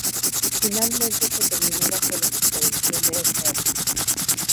Finalmente se terminó bajo la supervisión de Fr.